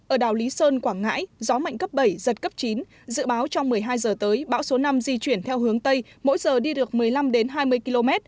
ở đảo lý sơn quảng ngãi gió mạnh cấp bảy giật cấp chín dự báo trong một mươi hai giờ tới bão số năm di chuyển theo hướng tây mỗi giờ đi được một mươi năm hai mươi km